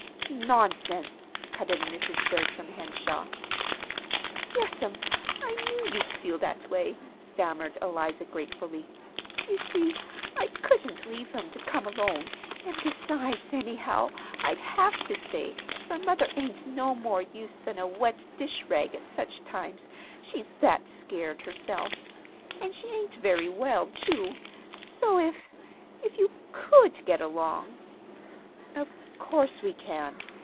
"Nonsense!" cut in Mrs. Bertram Henshaw. "Yes'm. I knew you'd feel that way," stammered Eliza, gratefully. "You see, I couldn't leave him to come alone, and besides, anyhow, I'd have to stay, for mother ain't no more use than a wet dish rag at such times, she's that scared herself. And she ain't very well, too. So if if you could get along " "Of course we can!